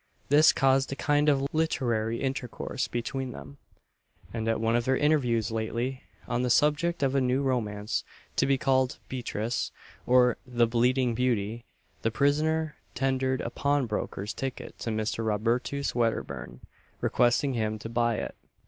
This caused a kind of literary intercourse between them; and at one of their interviews lately on the subject of a new romance, to be called "Beatrice, or the Bleeding Beauty," the prisoner tendered a pawnbroker's ticket to Mr. Robertus Wedderburn, requesting him to buy it.